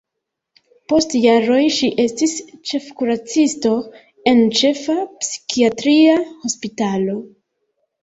Post jaroj ŝi estis ĉefkuracisto en ĉefa psikiatria hospitalo.